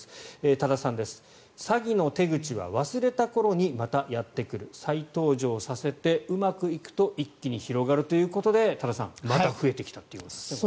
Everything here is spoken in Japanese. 多田さんです、詐欺の手口は忘れた頃にまたやってくる再登場させて、うまくいくと一気に広がるということで多田さん、また増えてきたということですね。